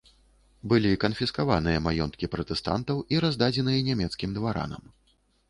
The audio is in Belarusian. Былі канфіскаваныя маёнткі пратэстантаў і раздадзеныя нямецкім дваранам.